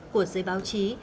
của giới báo chí